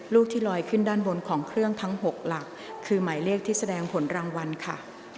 ลูกที่ลอยขึ้นด้านบนของเครื่องทั้ง๖หลักคือหมายเลขที่แสดงผลรางวัลค่ะ